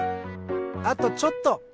あとちょっと！